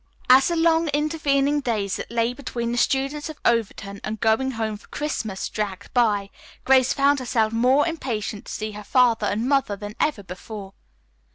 As the long intervening days that lay between the students of Overton and "going home for Christmas" dragged by, Grace found herself more impatient to see her father and mother than ever before.